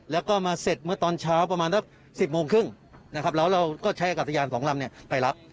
แล้วก็มาเสร็จเมื่อตอนเช้าประมาณสัก๑๐โมงครึ่งนะครับแล้วเราก็ใช้อากาศยาน๒ลำไปรับ